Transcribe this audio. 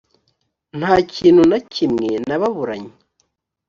nta kintu na kimwe nababuranye .